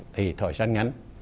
thì thời gian ngắn